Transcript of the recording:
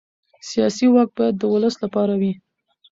سیاسي واک باید د ولس لپاره وي